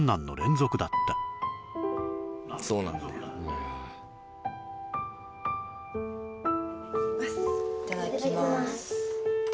いただきます